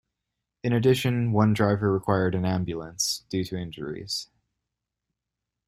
In addition, one driver required an ambulance due to injuries.